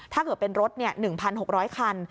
ถ้าเกิดเป็นรถ๑๖๐๐คัน